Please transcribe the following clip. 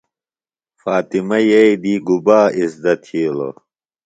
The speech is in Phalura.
فاطمہ یئییۡ دی گُبا اِزدہ تِھیلوۡ؟